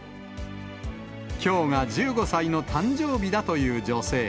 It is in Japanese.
きょうが１５歳の誕生日だという女性。